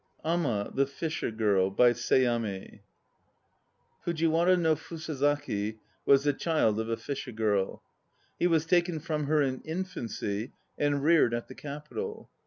AMA (THE FISHER GIRL) By SEAM I FUJIWARA NO FUSAZAKI was the child of a fisher girl. He was taken from her in infancy and reared at the Capital.